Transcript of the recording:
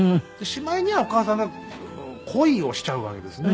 しまいにはお母さんが恋をしちゃうわけですね。